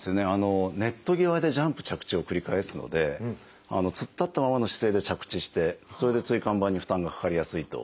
ネット際でジャンプ着地を繰り返すので突っ立ったままの姿勢で着地してそれで椎間板に負担がかかりやすいと考えられるんです。